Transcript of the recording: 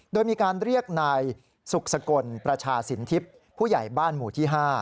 โดยมีการเรียกนายสุขสกลประชาสินทิพย์ผู้ใหญ่บ้านหมู่ที่๕